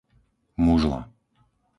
Mužla